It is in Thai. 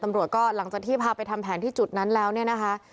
ตำรวจก็หลังจากที่พาไปทำแผนที่จุดนั้นแล้วเนี่ยนะคะ